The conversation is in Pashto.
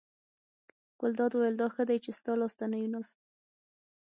ګلداد وویل: دا ښه دی چې ستا لاس ته نه یو ناست.